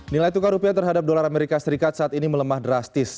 nilai tukar rupiah terhadap dolar amerika serikat saat ini melemah drastis